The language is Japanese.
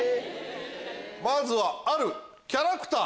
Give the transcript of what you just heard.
まずはあるキャラクター。